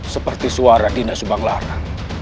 seperti suara dina subang lara